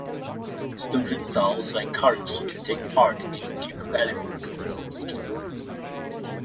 Students are also encouraged to take part in the Duke of Edinburgh Award Scheme.